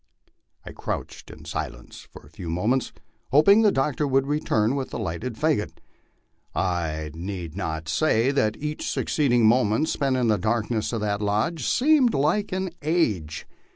I crouched in silence for a few moments, hoping the doctor would return with the lighted fagot. I need not say that each suc ceeding moment spent in the darkness of that lodge seemed like an age.